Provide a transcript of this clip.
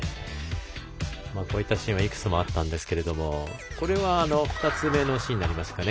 こういったシーンはいくつもあったんですけどもこれは、２つ目のシーンになりますかね。